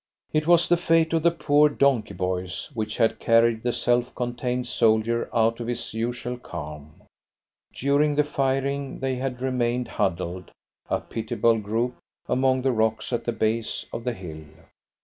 It was the fate of the poor donkey boys which had carried the self contained soldier out of his usual calm. During the firing they had remained huddled, a pitiable group, among the rocks at the base of the hill.